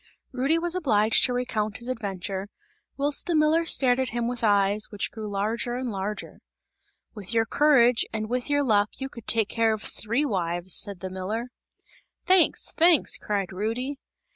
Rudy was obliged to recount his adventure, whilst the miller stared at him with eyes, which grew larger and larger. "With your courage and with your luck you could take care of three wives!" said the miller. "Thanks! Thanks!" cried Rudy.